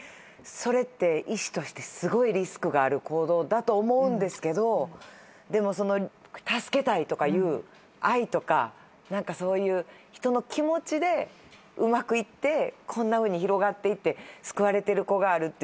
それって医師としてすごいリスクがある行動だと思うんですけどでも助けたいという愛とか何かそういう人の気持ちでうまくいってこんなふうに広がっていって救われてる子があるという。